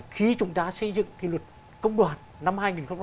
khi chúng ta xây dựng cái luật công đoàn năm hai nghìn một mươi ba